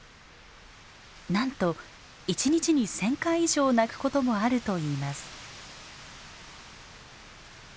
なんと一日に１，０００回以上鳴くこともあるといいます。